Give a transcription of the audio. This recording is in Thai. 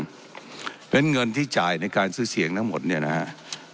เพราะฉะนั้นเงินที่จ่ายในการซื้อเสียงทั้งหมดเนี่ยนะฮะ